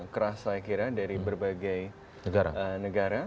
keras saya kira dari berbagai negara